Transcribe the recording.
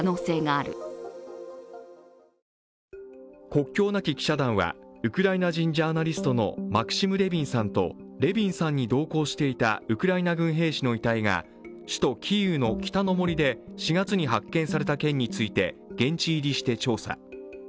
国境なき記者団はウクライナ人ジャーナリストのマクシム・レヴィンさんとレヴィンさんに同行していたウクライナ軍兵士の遺体が首都キーウの北の森で４月に発見された件について現地入りして調査。